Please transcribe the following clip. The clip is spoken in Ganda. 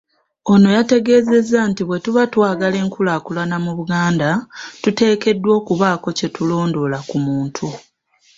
Ono yategeezezza nti bwe tuba twagala enkulaakulana mu Buganda tuteekeddwa okubaako kye tulondoola ku muntu.